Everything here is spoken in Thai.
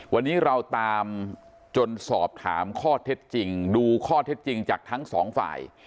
วันนี้เราตามจนสอบถามข้อเท็จจริงดูข้อเท็จจริงจากทั้งสองฝ่าย